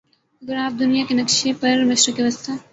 اگر آپ دنیا کے نقشے پر مشرق وسطیٰ